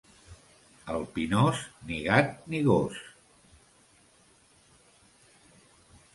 Al Pinós, ni gat ni gos.